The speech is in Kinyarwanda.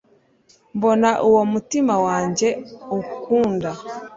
mbona uwo umutima wanjye ukunda